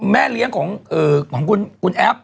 แม่เลี้ยงของคุณแอฟ